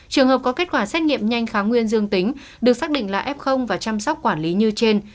trường hợp có kết quả xét nghiệm nhanh kháng nguyên dương tính được xác định là f và chăm sóc quản lý như trên